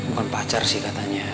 bukan pacar sih katanya